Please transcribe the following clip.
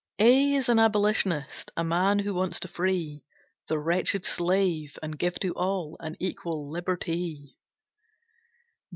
A A is an Abolitionist A man who wants to free The wretched slave and give to all An equal liberty.